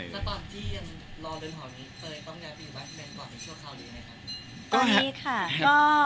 แล้วตอนที่ยังรอเดินหอมนี้ก็เลยต้องยาวไปอยู่ตอนนี้ชั่วคราวหรือยังไงครับ